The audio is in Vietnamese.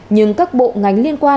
nhưng các bộ ngành liên quan